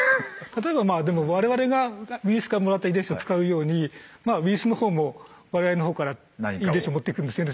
例えばでも我々がウイルスからもらった遺伝子を使うようにまあウイルスの方も我々の方から遺伝子を持ってくんですよね。